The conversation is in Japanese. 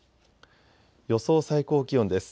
予想最高気温です。